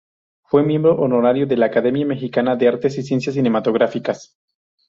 Fue miembro honorario de la Academia Mexicana de Artes y Ciencias Cinematográficas.